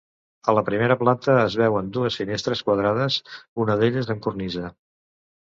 A la primera planta es veuen dues finestres quadrades, una d'elles amb cornisa.